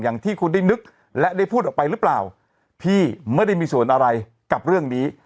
อย่างที่คุณได้นึกและได้พูดออกไปหรือเปล่าพี่ไม่ได้มีส่วนอะไรกับเรื่องนี้